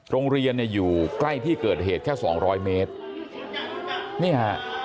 โรงเรียนอยู่ใกล้ที่เกิดเหตุแค่๒๐๐เมตรนี่ค่ะ